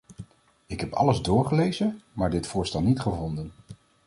Ik heb alles doorgelezen, maar dit voorstel niet gevonden.